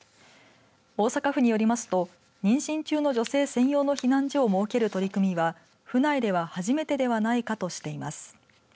大阪府によりますと妊娠中の女性専用の避難所を設ける取り組みは府内では初めてではないかとしています。